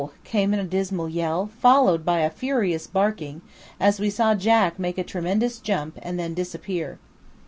came in a dismal yell, followed by a furious barking, as we saw Jack make a tremendous jump, and then disappear.